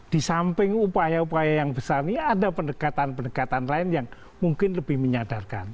disamping upaya upaya yang besar ini ada perdekatan perdekatan lain yang mungkin lebih menyadarkan